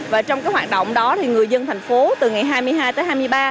và trong cái hoạt động đó thì người dân thành phố từ ngày hai mươi hai tới hai mươi ba